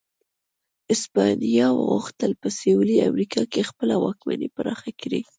هسپانیا غوښتل په سوېلي امریکا کې خپله واکمني پراخه کړي.